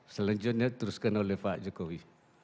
selanjutnya diteruskan oleh pak jokowi